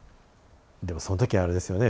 でもその時あれですよね